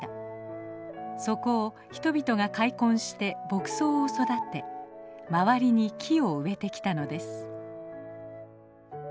そこを人々が開墾して牧草を育て周りに木を植えてきたのです。